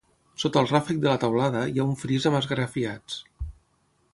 Sota el ràfec de la teulada hi ha un fris amb esgrafiats.